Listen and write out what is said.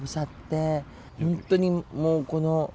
本当にもうこの感じで。